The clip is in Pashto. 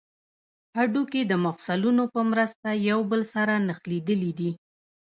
هډوکي د مفصلونو په مرسته یو بل سره نښلیدلي دي